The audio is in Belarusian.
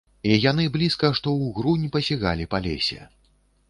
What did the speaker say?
І яны блізка што ўгрунь пасігалі па лесе.